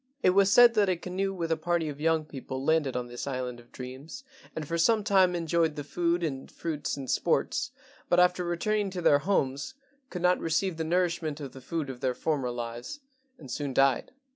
It was said that a canoe with a party of young people landed on this island of dreams and for some time en¬ joyed the food and fruits and sports, but after returning to their homes could not receive the 104 LEGENDS OF GHOSTS nourishment of the food of their former lives, and soon died.